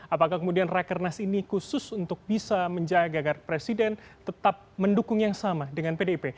apakah kemudian rakernas ini khusus untuk bisa menjaga agar presiden tetap mendukung yang sama dengan pdip